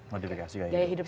modifikasi gaya hidup